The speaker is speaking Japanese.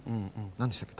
何でしたっけ？